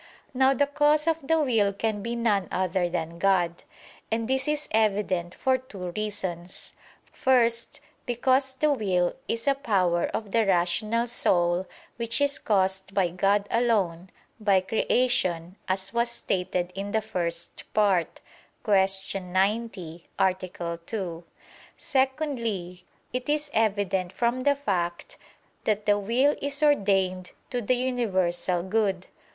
Now the cause of the will can be none other than God. And this is evident for two reasons. First, because the will is a power of the rational soul, which is caused by God alone, by creation, as was stated in the First Part (Q. 90, A. 2). Secondly, it is evident from the fact that the will is ordained to the universal good.